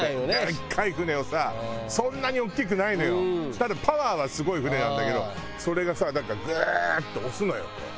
ただパワーはすごい船なんだけどそれがさなんかグーって押すのよこう。